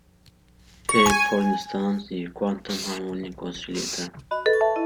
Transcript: Take for instance the quantum harmonic oscillator.